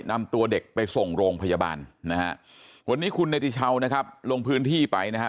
นำตัวเด็กไปส่งโรงพยาบาลนะฮะวันนี้คุณเนติชาวนะครับลงพื้นที่ไปนะฮะ